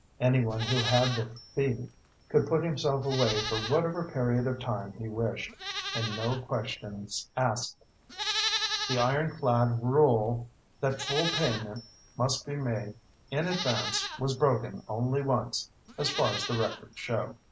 Anyone who had the fee could put himself away for whatever period of time he wished, and no questions asked. The ironclad rule that full payment must be made in advance was broken only once, as far as the records show.